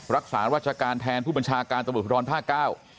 รักษาวัชการแทนผู้บัญชาการตมภิกรรณภาคเก้า